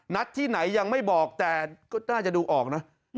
นัดที่ไหนยังไม่บอกแต่ก็น่าจะดูออกนะ